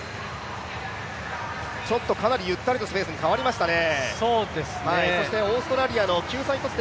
ちょっとゆったりとしたペースに変わりましたね。